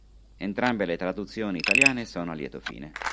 Entrambe le traduzioni italiane sono a lieto fine.